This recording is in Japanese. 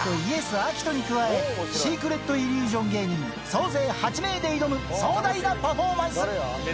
アキトに加え、イリュージョン芸人、総勢８名で挑む、壮大なパフォーマンス。